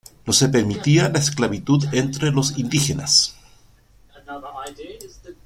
No se permitía la esclavitud entre los indígenas.